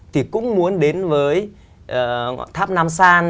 thì cũng muốn đến với tháp nam san